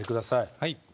はい。